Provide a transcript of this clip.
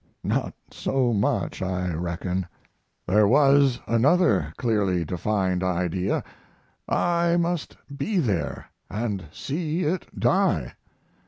Not so much, I reckon. There was another clearly defined idea I must be there and see it die.